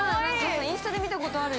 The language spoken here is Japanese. ◆インスタで見たことあるよ。